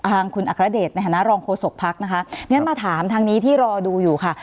ทางคุณอัครเดชในฐานะรองโฆษกภักดิ์นะคะงั้นมาถามทางนี้ที่รอดูอยู่ค่ะ